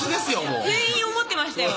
もう全員思ってましたよ